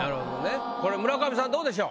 これ村上さんどうでしょう？